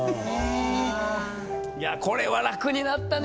これは楽になったね